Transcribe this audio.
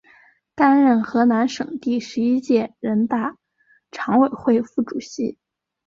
担任河南省第十一届人大常委会副主任。